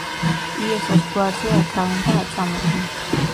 იესოს ჯვარზე აკრავენ და აწამებენ.